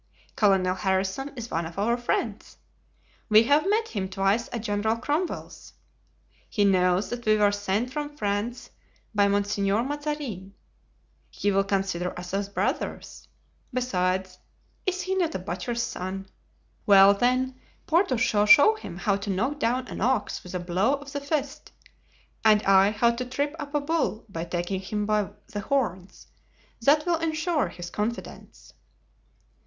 Colonel Harrison is one of our friends. We have met him twice at General Cromwell's. He knows that we were sent from France by Monsieur Mazarin; he will consider us as brothers. Besides, is he not a butcher's son? Well, then, Porthos shall show him how to knock down an ox with a blow of the fist, and I how to trip up a bull by taking him by the horns. That will insure his confidence."